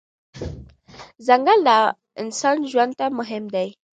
ځنګل د انسان ژوند ته مهم دی.